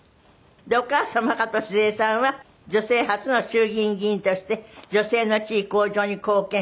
お母様加藤シヅエさんは女性初の衆議院議員として女性の地位向上に貢献。